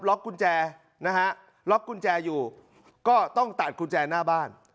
กุญแจนะฮะล็อกกุญแจอยู่ก็ต้องตัดกุญแจหน้าบ้าน